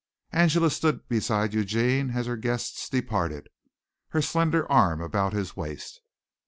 Angela stood beside Eugene as her guests departed, her slender arm about his waist.